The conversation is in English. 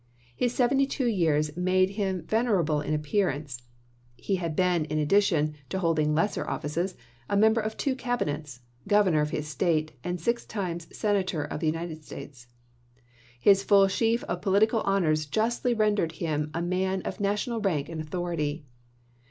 His seventy two years made him venerable in appear 224 ABRAHAM LINCOLN chap. xiv. ance. He had been, in addition to holding lesser offices, a member of two Cabinets, Governor of his State, and six times Senator of the United States ; his full sheaf of political honors justly rendered him a man of national rank and authority.